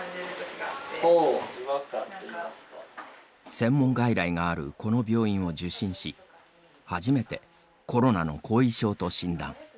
専門外来があるこの病院を受診し初めてコロナの後遺症と診断。